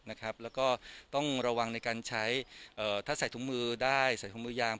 แล้วก็ต้องระวังในการใช้ถ้าใส่ถุงมือได้ใส่ถุงมือยาง